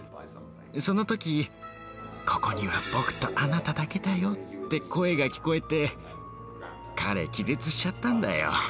その時「ここには僕とあなただけだよ」って声が聞こえて彼気絶しちゃったんだよ。